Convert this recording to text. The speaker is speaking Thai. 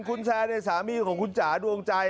คุณแซนในสามีของคุณจ๋าดวงใจ